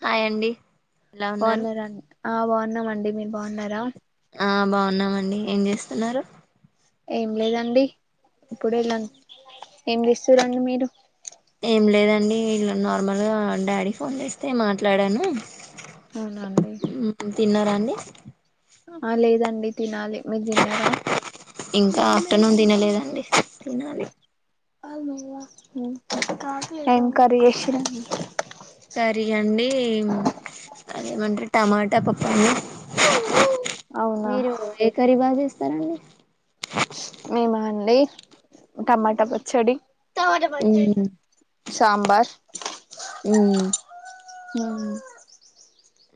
హాయండి బాగున్నారన్ ఆ బాగున్నామండి మీరు బాగున్నారా ఆ బాగున్నామండి ఏం చేస్తున్నారు ఏం లేదండి ఇప్పుడు వెళ్ళన్ ఏం చేస్తురండి మీరు ఏం లేదండి ఇల్ నార్మల్గా డాడీ ఫోన్ చేస్తే మాట్లాడాను అవునండి మ్మ్ తిన్నరా అండి ఆ లేదండి తినాలి మీరు దిన్నారా ఇంకా ఆఫ్టర్నూన్ దినలేదండి తినాలి ఏం కర్రీ చేషిర్ కర్రీ అండి అదేమంటరు టమాటా పప్పండి అవునా మీరు ఏ కర్రీ బా చేస్తారండి మేమా అండి టమాటా పచ్చడి ఉమ్ సాంబార్ మ్మ్ అ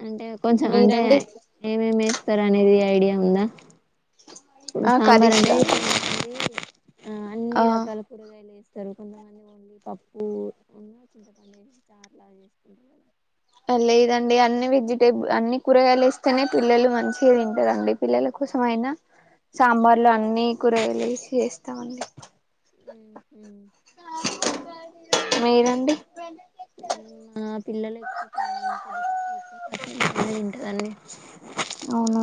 అంటే కొంచెం అంటే ఏమేమి ఎస్తారు అనేది ఐడియా ఉందా ఇప్పుడు ఆ సాంబార్ అంటే కర్రీస్లోనండి ఆ అన్ని ఆ రకాల కూరగాయలేసి ఇస్తారు కొంతమంది ఓన్లీ పప్పు ఉన్న చింతపండి చార్లా చేసుకుంటారు లేదండి అన్ని వెజిటేబ్ అన్ని కూరగాయలు ఇస్తేనే పిల్లలు మంచిగా తింటరండి పిల్లలకు కోసమైనా సాంబార్లో కదా అన్నీ కూరగాలేసి చేస్తామండి ఉ హు మీరండి మా పిల్లలెక్కువ పెద్ద పాప ఉంటదన్ని అవునా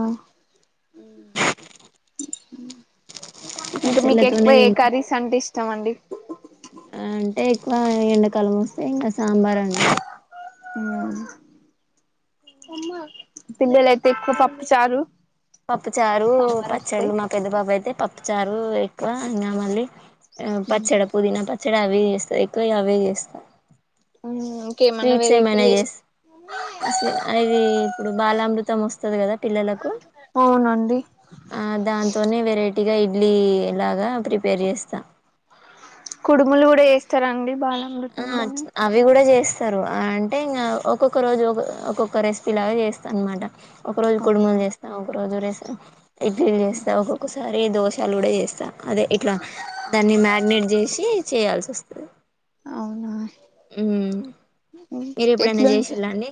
ఇంక మీకు ఎక్కువ పచ్చళ్ళతోనే ఏ తింట కర్రీస్ అంటే ఇష్టమండి అంటే ఎండాకాలం వస్తే ఇంకా సాంబార్ అండి పిల్లలయితే ఎక్కువ పప్పు చారు పప్పు చారు సాంబార్ వస్తే పచ్చళ్ళు మా పెద్ద బాబైతే పప్పు చారు ఎక్కువ ఇంకా మళ్ళీ ఆ పచ్చడ పుదీనా పచ్చడ అవే చేస్తా ఎక్కువ అవే చేస్తా ఇంకేమన్నా స్వీట్స్ వెరైటీ ఏమైన చేస్త చేస్ అది ఇప్పుడు బాలామృత తం వస్తది గదా పిల్లలకు అవునండి ఆ దాంతోనే వెరై టిగా ఇడ్లీ లాగా ప్రిపేర్ జేస్తా కుడుములు గుడా ఏస్తారండి బాగా ఆ అవి గూడా చేస్ త్తరు అంటే ఇంగ ఒక్కొక్క రోజు ఒ ఒక్కొక్క రెసిపీ లాగా చేస్తా అనమాట ఒక రోజు కుడుములు అవునా జేస్తా ఒక రోజు ఇడ్లీలు జేస్తా ఒక్కొక్కసారి దోశలు గుడా ఏస్తా అదే ఇట్లా దాన్ని మ్యాగ్నేట్ జేసి చేయాల్సి వస్తది మ్మ్ ఓ మీరు ఎప్పుడైనా ఎట్లుంటా చేసిల్లా అండి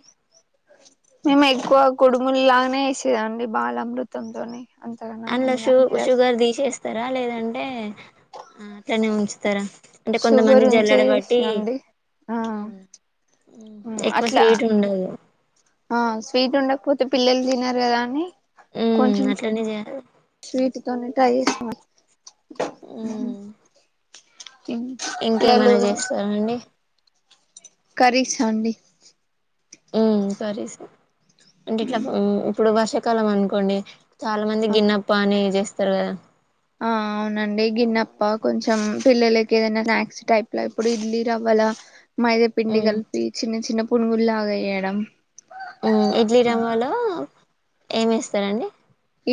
మేము ఎక్కువ కొడుములులానే ఏసేదండి బాలా అమృతంతోని అడ్లో షు షుగర్ దీసేస్తారా లేదంటే అట్లనే ఉంచుతారా అంటే షుగర్ కొంతమంది ఉంచే జల్లాడ వట్టి చేసినండి ఆ ఎక్కువ అట్లా స్వీట్ ఉండదు ఆ స్వీట్ ఉండకపోతే పిల్లలు దినరు గదా అని ఉమ్ కొంచం అట్లనే చేయాలి స్వీట్తోనే ట్రై జేస్తం అం ఉ పిల్లలు ఇంకేమైనా జేస్తారా అండి కర్రీస్సా అండి ఉ కర్రీసే అంటే ఇట్లా ఊ ఇప్పుడు వర్షాకాలం అనుకోండి చాలా మంది అవును గిన్నప్ప అని జేస్తారు గదా ఆ అవునండి గిన్నెప్ప కొంచెం పిల్లలకి ఏదైనా స్నాక్స్ టైప్లా ఇప్పుడు ఇడ్లీ రవ్వాల మైదా పిండి ఉమ్ గలిపి చిన్న చిన్న పనుగుల్లాగ ఏయడం ఉ ఇడ్లీ రవ్వలో ఏమేస్తారండి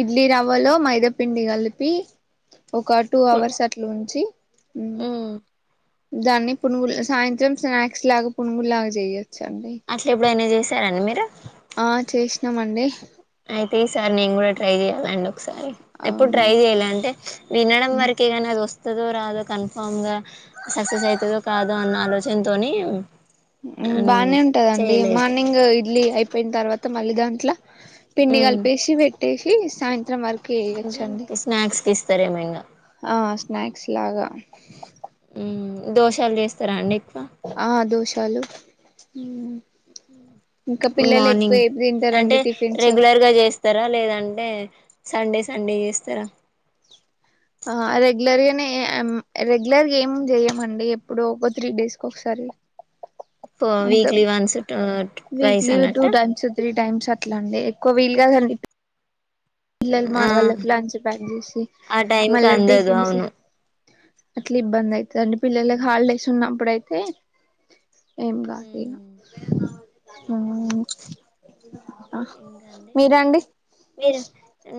ఇడ్లీ రవ్వలో మైదాపిండి గలిపి ఒక టూ అవర్స్ అట్లు ఉంచి ఉ ఉమ్ దాన్ని పునుగులు సాయంత్రం స్నాక్స్ లాగా పునుగుల్లాగా జేయో అట్ల ఎబ్బుడైనా జేసారండి మీరు ఆ చేషినామండి అయితే ఈ సారీ నేన్ గూడా ట్రై జేయ్యాలండో ఒకసారి ఎప్పుడు అవునా ట్రై జెయ్యల అంటే వినడం వరకే గని అది వస్తుందో రాదో కన్ఫామ్ గా సక్సెస్ అయితదో కాదు అన్న ఆలోచనతోని ఉమ్ హ్మ్ బానే ఉంటదండి చేయలేదు మార్నింగు అపోయిన తర్వాత మళ్ళీ దాంట్లో పిండి గలిపేసి పెట్టేసి సాయ సాయంత్రాకి స్నాక్స్ కిస్తారేమో ఇంగ ఆ స్నాక్స్ లాగా ఊ దోషాలు జెస్తారా అండి ఎక్కువ తాలు ఊ గుడ్ మార్నింగ్ తింటారండి అంటే టిఫిన్స్ రెగ్యులర్ గా జేస్తారా లేదంటే సండే సండే జేస్తరా ఏమ్ రెగ్యులర్ గా ఏం జేయమండి ఎప్పుడు ఒక త్రీ డేస్ కొకసారి ఫో అంత weekly once two twice weekly two అన్నట్ట టైమ్సు త్రీ టైమ్సు అట్ల అండి ఎక్కువ వీలు గాదండి పిల్లలు మా ఆ వాళ్ళలకు లంచ్ ప్యాక్ చేసి ఆ టైం కి మళ్ళా అందదు టిఫిన్స్ అవును అట్ల ఇబ్బంది అయితదండి పిల్లలకు హాలిడేస్ ఉన్నప్పుడుయితే ఏం కాదు ఇగ ఉమ్ ఊ ఆహ్ ఇంకా అండి మీరండి మీరు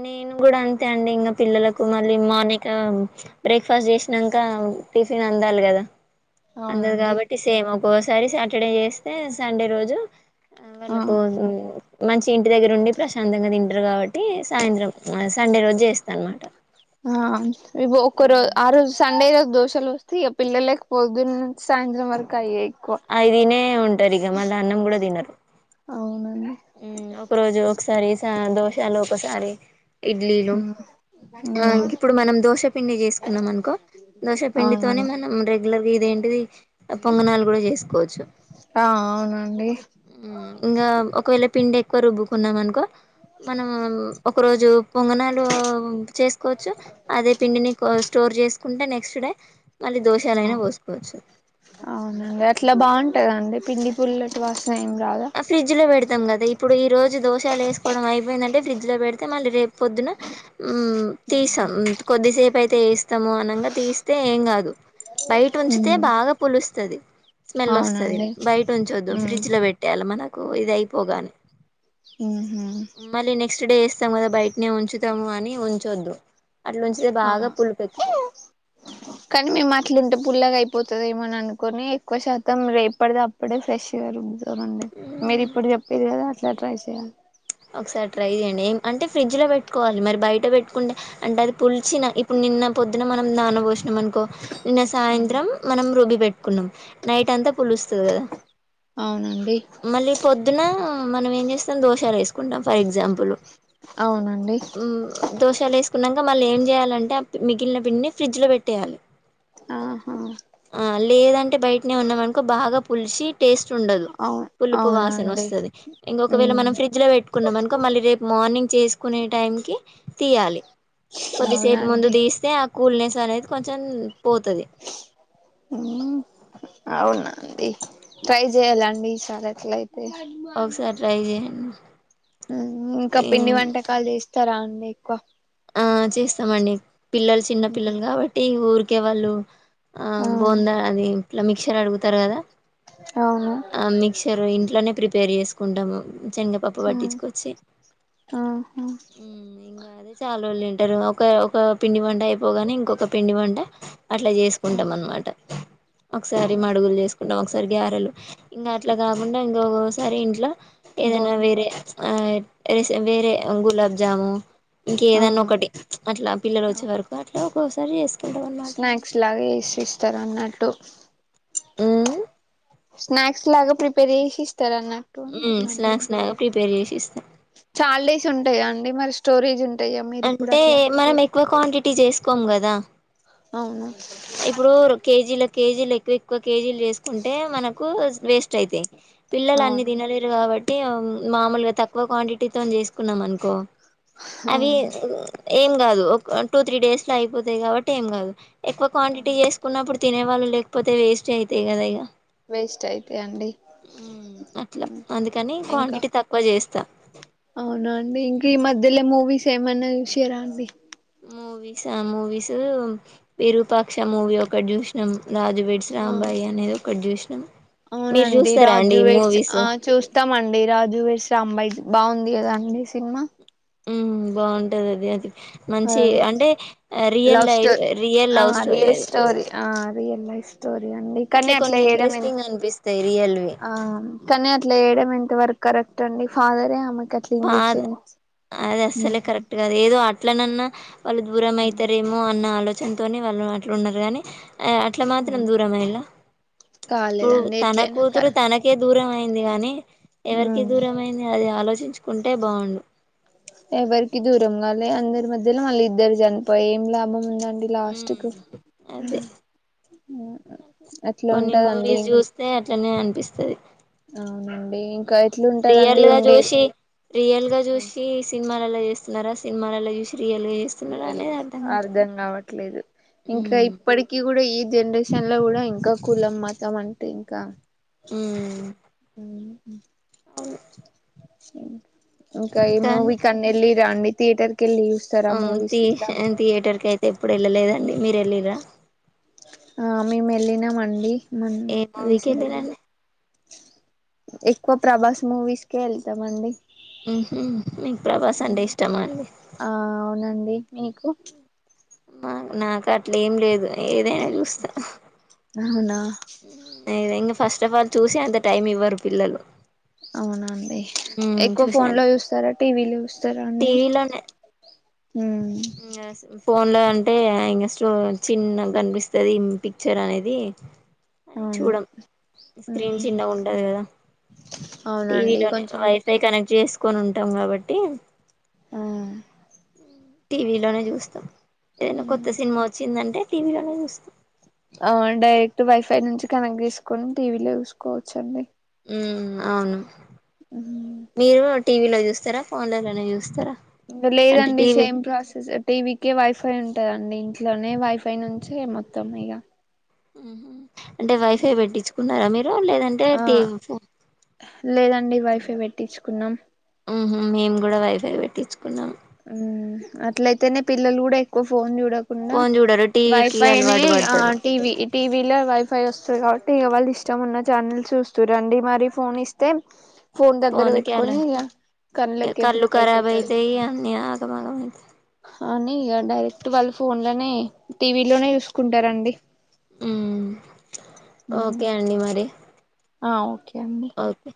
నేను గూడా అంతే అండి ఇంగ పిల్లలకు మళ్ళీ మార్నింగ్ బ్రేక్ఫాస్ట్ చేసినంక టిఫిన్ వండాలి గదా! అందరు అవునండి కాబట్టి సేమ్ ఒక్కోసారి సాటర్డే చేస్తే, సండే రోజు ఆ [unintelligible] మంచి ఇంటి దగ్గరండి ప్రశాంతంగా తింటరు, కాబట్టి సాయంత్రం సండే రోజు చేస్తా అనమాట. ఆ ఇ ఒకక్కరు ఆరుజ సండే దోషాలు వస్తంది పిల్లలకి పొద్దున్ సాయంత్రం వార్కు అయి తినే ఉంటరు ఇగ మళ్ళా అన్నం కూడా తినరు. అవునండి మ్మ్మ్మ్ ఒక రోజు ఒకసారి దోశలు, ఒకసారి ఇడ్లీలు. ఆ మ్మ్ ఇంకిప్పుడు మనం దోశపిండి చేసుకున్నామనుకో! దోశ పిండితోనే అవునండి మనం రెగ్యులర్గా ఇదేంటిది పొంగణాలు గూడ చేసుకోవచ్చు. ఆ అవునండి ఉమ్ ఇంకా ఒకవేళ పిండెక్కువ రుబ్బుకున్నామనుకో! మనం ఒక రోజు పొంగనాలు చేసుకోవచ్చు, అదే పిండిని కో స్టోర్ చేసుకుంటే నెక్స్ట్ డే మళ్ళీ దోషాలైనా పోసుకోవచ్చు అవునండి అట్లా బాగుంట పిండి పుల్ వాసంది ఆ ఫ్రిడ్జ్ లో పెడతాం కదా, ఇప్పుడు ఈ రోజు దోషాలేసుకోవడం అయిపోయిందం అంటే ఫ్రిడ్జ్ లో పెడితే మళ్ళీ రేపు పొద్దున తీస్తాం. కొద్దిసేపయితే వేస్తే వేస్తము అనగా తీస్తే ఏం గాదు. బైటుంచితే ఉమ్ బాగా పులుస్తది, స్మెల్ వస్తది, అవునండి బయటుంచొద్దు. ఉమ్ ఫ్రిడ్జ్ లో పెట్ తెల మనకు ఇదయిపోగానే ఉహా కొంతమంది బయటనే ఉంచుతాము, అని ఉంచొద్దు. అట్లా ఉంచితే బాగా పులుపు ఎక్కుతది కానీ మేమట్లుండం. పుల్లగయి పోతదేమోననుకోని ఎక్కువ శాతం ఎప్పటిదప్పుడే ఫ్రెష్ గా రుబ్బి మీరిప్పుడు చెప్పిరి గదా అట్లా ట్రై చెయ్యం ఒకసారి ట్రై చేయండి ఏం అంటే ఫ్రిడ్జ్లో పెట్టుకోవాలి, మరి బయట పెట్టుకుంటే అంటే అది పులిచిన ఇప్పుడు నిన్న పొద్దున మనం దానిలో పోసి అనుకో నిన్న అవునా సాయంత్రం మనం రుబ్బి పెట్టుకున్నాం. నైట్ అంతా పులుస్తదా అవునను మళ్ళీ పొద్దున మనం ఏం చేస్తాం దోషాలేసుకుంటాం, ఫర్ ఎగ్జాంపుల్ అవునండి దోషాల కున్నాక మళ్ళీ ఏం చేయాలంటే మిగిలిన పిండిని ఫ్రిడ్జ్ లో పెట్టేయాలి. ఆహా ఆ లేదంటే బయటనే ఉన్నామనుకో బాగా పులిచి టేస్ట్ ఉండదు. అవు పులుపు అవునండి వాసనొస్తది. ఇంకొకవేళ ఉమ్ మనం ఫ్రిడ్జ్ లో పెట్టుకున్నామనుకో, మళ్ళీ రేపు మార్నింగ్ చేసుకునే టైంకి తీయాలి. కొద్దిసేపు ముందు అవునండి తీస్తే ఆ కూల్నెస్ అనేది కొంచెం పోతది. ట్రై చేయాలండి, ఈసారెట్లయినా ఒకసారి ట్రై చెయండి. ఉమ్ ఇంకా పిండి వంటకాలు చేస్తరా అండి ఎక్కువ? ఆ చేస్తామండి పిల్లలు చిన్న పిల్లలు కాబట్టి ఊరికే వాళ్ళు ఆ బోండా అనీ, ఇట్లా మిక్సర్ అడుగుతారు గదా! అవును ఆ మిక్చర్ ఇంట్లోనే ప్రిపేర్ చేసుకుంటము. చెంగ పప్పు ఉమ్ పట్టించుకొచ్చి. ఆహా అదే చాలా రోజులు తింటరు. ఒక ఒక పిండి వంటయిపోగానే ఇంకొక పిండి వంట అట్లా చేసుకుంటామనమాట. ఒకసారి మడుగులు చేసుకుంటాం. ఒకసారి గారెలు ఇంకా అట్లా కాకుండా ఇంక ఒసారి ఇంట్ల ఏదైనా బోన్ వేరే ఆ [unintelligible] వేరే గులాబ్జాముు. ఆ ఇంకేదన్నా ఒకటి అట్లా పిల్లలు వచ్చే వరకు అట్లా ఒక్కోసారి చేస్ స్నాక్స్ లాగ ఏసి ఇస్తారు అన్నట్టు ఉ స్నాక్స్ లాగా ప్రిపేర్ చేసి ఇస్ తరు అన్నట్టు ఉమ్, ఉంటున్నాండి స్నాక్స్ లాగా ప్రిపేర్ చేసి ఇస్తా చాలా డేస్ ఉంటాయా అ మరి స్టోరేజ్ ఉన్ అంటే మనం ఎక్కువ క్వాంటిటీ చేసుకోం కదా అవును ఇప్పుడు కేజీల కేజీలు ఎక్కువ ఎక్కువ కేజీలు చేసుకుంటే మనకు వేస్ట్ అవుతాయి పిల్లలు అన్నీ అవును తినలేరు కాబట్టి అ మామూలుగా తక్కువ క్వాంటిటీతో చేసుకున్నాం అనుకో అవి ఏం కాదు ఒక టూ త్రీ డేస్ లో అయిపోతాయి కాబట్టి ఏం కాదు ఎక్కువ క్వాంటిటీ చేసుకున్నప్పుడు తినేవాళ్ళు లేకపోతే వేస్ట్ అవుతాయి కదా ఇక వేస్ట్ అయితే అండి హ్మ్ అట్లా అందుకని క్వాంటిటీ తక్కువ చేస్తా అవున అండి ఇంక ఈ మధ్యలో మూవీస్ ఏమన్నా చూసిరా అండి మూవీస్ ఆ మూవీస్ విరూపాక్ష మూవీ ఒకటి చూసినాం రాజు వెడ్స్ ఆ రాంబాయి అనేది ఒకటి చూసినాం మీరు అవునండి చూస్తారా రాజు అండి వెడ్స్ మూవీస్ ఆ చూస్తామండి నీ రాజు వెడ్స్ రాంబాయ్ బాగుంది కదా అండి సినిమా ఉ బాగుంటది అదే అది మంచి అదే అంటే real love life story real ఆ లవ్ స్టోరీ రియల్ అది ఆ రియల్ లైఫ్ అండి కనీ అట్లా కొన్ని చేయడం ఎంత ఇంట్రెస్టింగ్ వరకు అనిపిస్తాయి రియల్వి ఆ కనీ అట్ల చేయడం ఎంత వరకు కరెక్ట్ అండి ఫాదరే ఆమెకి అట్లా ఫాద్ ఇంజెక్షన్ అది అస్సలే కరెక్ట్ కాదు ఏదో ఆ ఎట్లానన్నా వాళ్ళు దూరం అయితారేమో అన్న ఆలోచనతోనే వాళ్ళు అట్లు ఉన్నారు కానీ అట్లా మాత్రం దూరం అయలా ఇప్పుడు కాలేదండి తన ఎట్లయినా కా కూతురు తనకే దూరమయి అయింది గాని ఎవరికి దూరం అయింది అది ఆలోచించుకుంటే బాగుండు ఎవరికి దూరం కాలే అందరి మధ్యలో వాళ్ళు ఇద్దరు చనిపోయి ఏం లాభం ఉంద ది లాస్ట్ హ్మ్ కు అదే అట్లా కొన్ని ఉంటదండి మూవీస్ చూస్తే అట్లనే అనిపిస్తది అవునండి ఇంకాయితే రియల్ గా చూసి రియల్ గా ఆ చూసి సినిమాలలో చేస్తున్నారా సినిమాలలో చూసి రియల్ గా చేస్తున్నారా రియలే అనేది కాదు అర్థం కావట్లేదు ఇంకా ఉమ్ ఇప్పటికిీ కూడా ఏది జనరేషన్ లో కూడా ఇంకా కులం మతం అంటే ఇంకా ఉ అవును ఇంకా ఏ మూవి కన్న ఎల్లిరా అండి థియేటర్ కి వెళ్ళి చూస్తారా ఆ మూవీస్ ఇట్లా థియేటర్ కి అయితే ఎప్పుడు వెళ్ళలేదండి మీరు ఎల్లిరా ఆ మేము వెళ్ళినాము అండి మొన్ ఏ మూవీకి రీసెంట్గా వెళ్ళిరండి ఎక్కువ ప్రభాస్ మూవీస్కే వెళ్తామండి హూ మీకు ప్రభాస అంటే ఇష్టమా అండి ఆ అవునండి మీకు మా నాకు అట్లేం లేదు ఏ ఏదైనా చూస్తా అవునా ఏదైనా ఫస్ట్ ఆఫ్ ఆల్ చూసే అంత టైం ఇవ్వరు పిల్లలు అవునండి ఉమ్ ఎక్కువ ఫోన్ లో చూసాను చూస్తారా టీవీలో చూస్తారా అండి [inaudible] టీవీలోనే ఫోన్ లో అంటే ఇంగ స్లో చిన్నగా కనిపిస్తది పిక్చర్ అనేది అని అవును చూడం స్క్రీన్ ఉమ్ చిన్నగా ఉంటది కదా అవునండి టీవీలోనే కొంచెం వైఫై కనెక్ట్ చేసుకొని ఉంటాం కాబట్టి ఆ టీవీలోనే చూస్తాం ఏదైనా ఉమ్ కొత్త సినిమా వచ్చిందంటే టీవీలోనే చూస్తాం ఆ డైరెక్ట్ వైఫై నుంచి కనెక్ట్ చేసుకొని టీవీలో చూసుకోవచ్చు అండి ఉమ్ అవును మీరు ఉహు టీవీలో చూస్తారా ఫోన్లలోనే చూస్తారా ఇంగా లేదు అంటే అండి టీవీ సేమ్ ప్రాసెస్ టీవీ కి వైఫై ఉంటంది అన్ నీ ఇంట్లోనే వైఫై నుంచి మొత్తం ఇక ఉహు అంటే వైఫై పెట్టించుకున్నార మీర్ ఏం లేదంటే ఆ టీవీ ఫోన్ ఇవి వెట్టించుకున్నాం ఉహు మేము కూడా వైఫై వెట్టించుకున్నాం ఉమ్ అట్లయితేనే పిల్లలు కూడా ఎక్కువ ఫోన్ చూడు రాకుండా ఫోన్ చూడరు టీవీకి వైఫైనే అలవాటు ఆ పడతారు టీవీ టీవీలో వైఫై వస్తది కాబ టి వాళ్ళు ఇష్టం ఉన్న ఛానల్ చూస్తూ రండి మరి ఫోన్ ఇస్తే ఫోన్ దగ్గర కి అలా పెట్టుకొని ఇగ కళ్లకి ఎఫిక్ట్ అయిపోతాది వ్యావు అని ఇక డైరెక్ట్ వాళ్ళు ఫోన్ లోనే టీవీ లోనే చూసుకుంటారండి ఉ ఓకే అండి మరి ఆ ఓకే అండి అ ఓకే